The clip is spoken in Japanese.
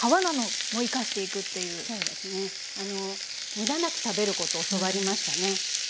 むだなく食べることを教わりましたね。